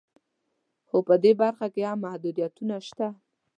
خو په دې برخه کې هم محدودیتونه شته